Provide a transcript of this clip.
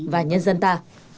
và nhân dân ta